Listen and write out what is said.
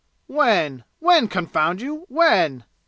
"When? When, confound you! When?"